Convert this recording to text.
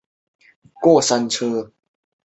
隔壁阿姨每晚洗澡都要唱歌，害得我不能睡觉。